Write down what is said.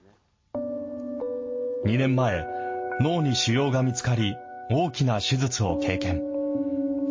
２年前、脳に腫瘍が見つかり、大きな手術を経験。